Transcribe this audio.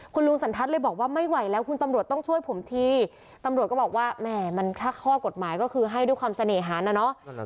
คุณลุงสันทัศน์เลยบอกว่าไม่ไหวแล้วคุณตำรวจต้องช่วยผมทีตำรวจก็บอกว่าแหม่มันถ้าข้อกฎหมายก็คือให้ด้วยความเสน่หานะเนาะ